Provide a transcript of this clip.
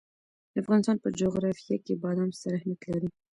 د افغانستان په جغرافیه کې بادام ستر اهمیت لري.